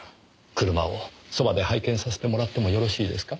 車をそばで拝見させてもらってもよろしいですか？